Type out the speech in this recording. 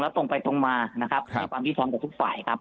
ตรงไปตรงมานะครับให้ความที่พร้อมกับทุกฝ่ายครับ